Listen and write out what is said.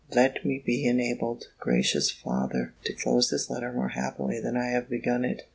let me be enabled, gracious Father! to close this letter more happily than I have begun it!